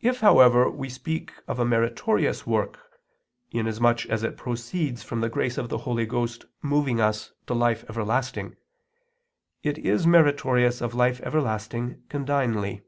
If, however, we speak of a meritorious work, inasmuch as it proceeds from the grace of the Holy Ghost moving us to life everlasting, it is meritorious of life everlasting condignly.